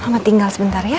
mama tinggal sebentar ya